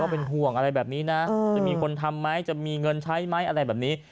เป็นห่วงอะไรแบบนี้นะจะมีคนทำไหมจะมีเงินใช้ไหมอะไรแบบนี้